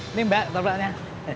ini mbak kotopraknya